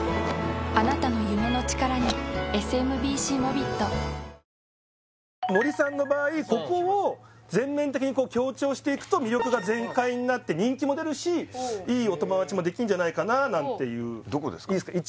ニトリ森さんの場合ここを全面的に強調していくと魅力が全開になって人気も出るしいいお友達もできるんじゃないかなあなんていういいっすか？